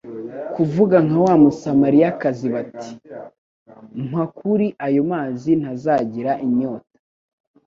kuvuga nka wa Musamariyakazi bati : "Mpa kuri ayo mazi ntazagira inyota".